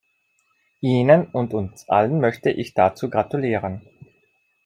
Ihnen und uns allen möchte ich dazu gratulieren.